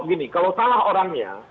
gini kalau salah orangnya